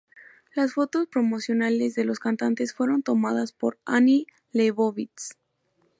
Las fotos promocionales de los cantantes fueron tomadas por Annie Leibovitz.